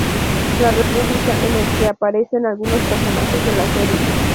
La República" en el que aparecen algunos personajes de la serie.